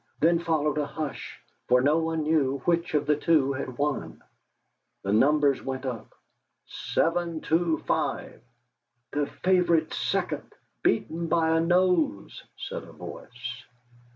Then followed a hush, for no one knew which of the two had won. The numbers went up "Seven Two Five." "The favourite's second! Beaten by a nose!" said a voice.